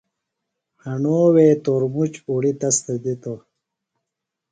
ہݨو وے تورمُچ اُڑیۡ تس تھےۡ دِتوۡ۔